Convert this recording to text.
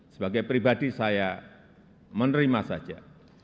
sebagai pribadi saya menerima saja